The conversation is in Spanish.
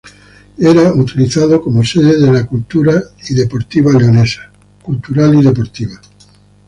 Era utilizado como sede de la Cultural y Deportiva Leonesa.